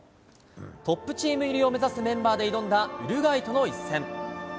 トップチーム入りを目指すメンバーで挑んだ、ウルグアイとの一戦。